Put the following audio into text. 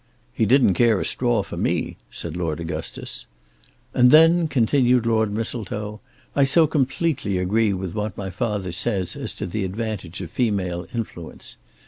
"He didn't care a straw for me," said Lord Augustus. "And then," continued Lord Mistletoe, "I so completely agree with what my father says as to the advantage of female influence!